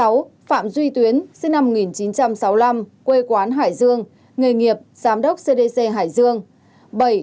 sáu phạm duy tuyến sinh năm một nghìn chín trăm sáu mươi năm quê quán hải dương nghề nghiệp thủ quỹ công ty việt á